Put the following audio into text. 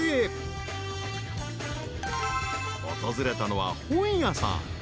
［訪れたのは本屋さん］